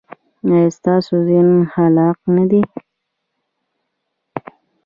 ایا ستاسو ذهن خلاق نه دی؟